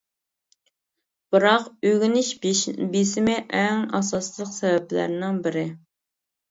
بىراق ئۆگىنىش بېسىمى ئەڭ ئاساسلىق سەۋەبلەرنىڭ بىرى.